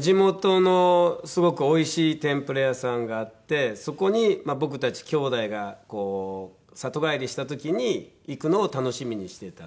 地元のすごくおいしい天ぷら屋さんがあってそこに僕たち兄弟が里帰りした時に行くのを楽しみにしてたんで。